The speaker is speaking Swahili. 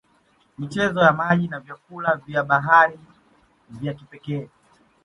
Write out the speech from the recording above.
Michezo ya maji na vyakula vya bahari vya kipekee